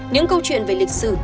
những câu chuyện về lịch sử